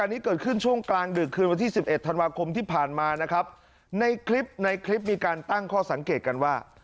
ในภาคมที่ผ่านมานะครับในคลิปในคลิปมีการตั้งข้อสังเกตกันว่า